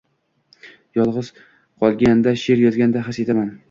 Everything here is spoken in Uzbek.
Yolg‘iz qolganda, she’r yozganda his etaman.